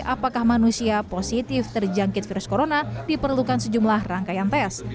apakah manusia positif terjangkit virus corona diperlukan sejumlah rangkaian tes